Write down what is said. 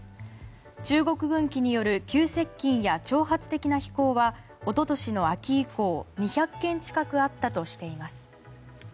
中国軍機による急接近や挑発的な飛行は一昨年の秋以降２００件近くあったとしています。